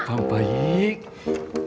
emang seperti uni